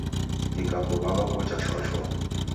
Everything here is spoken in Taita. Nikakuw'anga kocha shwashwa